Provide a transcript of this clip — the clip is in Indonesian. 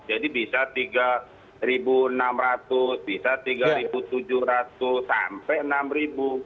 jadi bisa rp tiga enam ratus bisa rp tiga tujuh ratus sampai rp enam